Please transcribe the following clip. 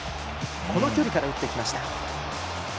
この距離から打ってきました。